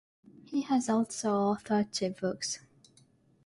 He has also authored two books.